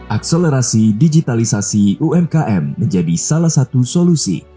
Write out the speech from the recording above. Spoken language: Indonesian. akselerasi digitalisasi umkm menjadi salah satu solusi